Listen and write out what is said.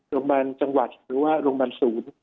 โรงพยาบาลจังหวัดหรือว่าโรงพยาบาลศูนย์